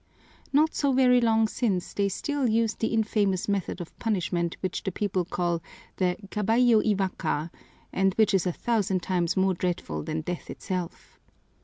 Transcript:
Not so very long since they still used the infamous method of punishment which the people call the 'caballo y vaca,' and which is a thousand times more dreadful than death itself.